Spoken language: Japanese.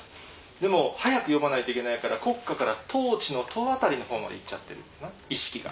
でも速く読まないといけないから「国家」から「統治」の「と」あたりのほうまで行っちゃってるんだな意識が。